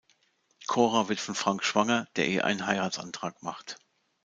Cora wird von Frank schwanger, der ihr einen Heiratsantrag macht.